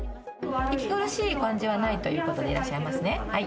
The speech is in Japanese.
息苦しい感じはないということでいらっしゃいますね？